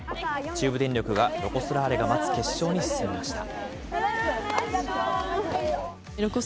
中部電力がロコ・ソラーレが待つ、決勝に進みました。